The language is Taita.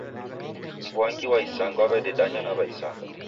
Mwangi wa isanga wadedanya na w'aisanga